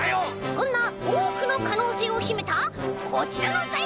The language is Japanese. そんなおおくのかのうせいをひめたこちらのざいりょうにせまります！